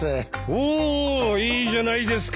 おおいいじゃないですか！